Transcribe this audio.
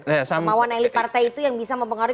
kemauan elit partai itu yang bisa mempengaruhi